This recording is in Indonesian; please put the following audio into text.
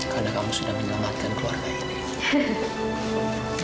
karena kamu sudah menyelamatkan keluarga ini